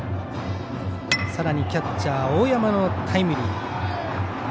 さらにキャッチャー、大山のタイムリー。